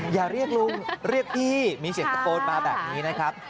อย่าเรียกลุงเรียกพี่มีเสียงตะโกนมาแบบนี้นะครับ